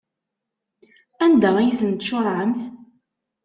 Anda ay tent-tcuṛɛemt?